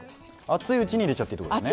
熱いうちに入れちゃっていいってことですね。